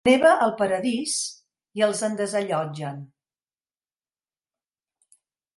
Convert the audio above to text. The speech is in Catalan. Neva al paradís i els en desallotgen.